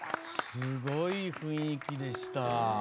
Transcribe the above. すごい雰囲気でした。